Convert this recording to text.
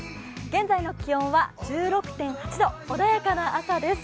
現在の気温は１６．８度、穏やかな朝です。